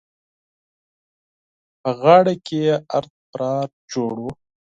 په غاړه کې يې ارت پرار جوړ وو.